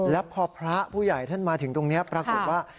แล้วพอพระผู้ใหญ่ท่านมาถึงตรงนี้ปรากฏว่า